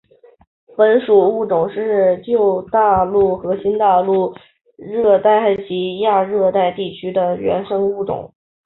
本属物种是旧大陆和新大陆上热带及亚热带地区的原生物种。